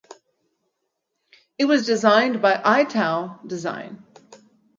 It was designed by Italdesign.